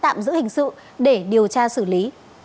tạm giữ hình sự để điều tra xử lý